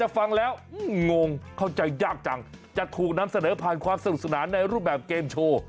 สนุกสุดนานในรูปแบบเกมโชว์